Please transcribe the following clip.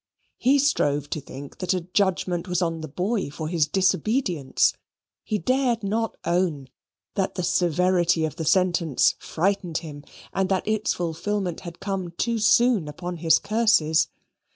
He strove to think that a judgment was on the boy for his disobedience. He dared not own that the severity of the sentence frightened him, and that its fulfilment had come too soon upon his curses.